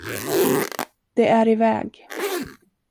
Det är iväg.